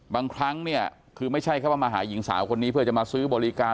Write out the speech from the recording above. บางครั้งเนี่ยคือไม่ใช่แค่ว่ามาหาหญิงสาวคนนี้เพื่อจะมาซื้อบริการ